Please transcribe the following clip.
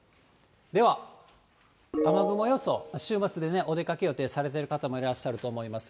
では雨雲予想、週末でね、お出かけ予定されてる方もいらっしゃると思います。